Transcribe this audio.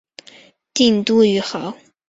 定都于亳。